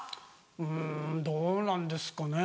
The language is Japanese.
うんどうなんですかね。